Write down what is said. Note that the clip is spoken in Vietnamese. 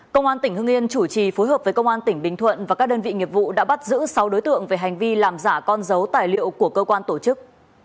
công an tỉnh hưng yên chủ trì phối hợp với công an tỉnh bình thuận và các đơn vị nghiệp vụ đã bắt giữ sáu đối tượng về hành vi làm giả con dấu tài liệu của cơ quan tổ chức